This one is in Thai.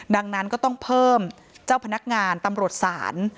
ดังนั้นก็ต้องเพิ่มเจ้าพนักงานตำรวจศาล